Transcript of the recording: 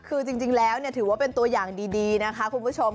คือจริงแล้วถือว่าเป็นตัวอย่างดีนะคะคุณผู้ชม